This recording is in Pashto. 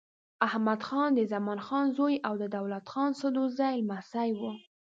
احمدخان د زمان خان زوی او د دولت خان سدوزايي لمسی و.